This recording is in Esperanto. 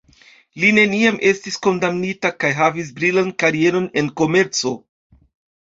Li neniam estis kondamnita kaj havis brilan karieron en komerco.